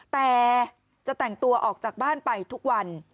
แต่จะแต่งตัวออกจากบ้านไปทุกวัน